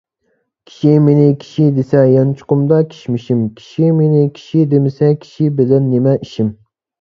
كىشى مېنى كىشى دېسە، يانچۇقۇمدا كىشمىشىم. كىشى مېنى كىشى دېمىسە، كىشى بىلەن نېمە ئىشىم.